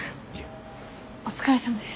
お疲れさまです。